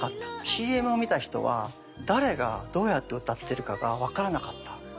ＣＭを見た人は誰がどうやって歌ってるかが分からなかった。